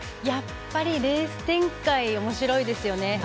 やっぱりレース展開おもしろいですよね。